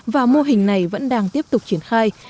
và mô hình này vẫn đang tiếp tục triển khai